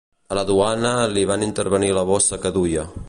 A la duana li van intervenir la bossa que duia.